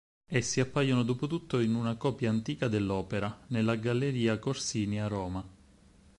Essi appaiono dopotutto in una copia antica dell'opera, nella galleria Corsini a Roma.